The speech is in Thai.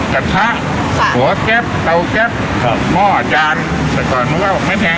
กะทะโหฮอตแก๊ปเตาแก๊ป๕๒เนี่ย